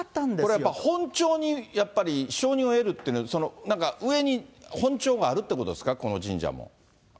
これやっぱり、本庁に承認を得るっていうのは、なんか上に本庁があるっていうことですか、この神社も。